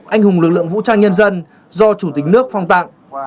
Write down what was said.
anh hùng lực lượng vũ trang nhân dân do chủ tịch nước phong tặng